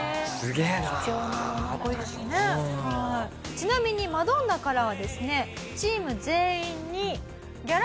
ちなみにマドンナからはですねチーム全員に。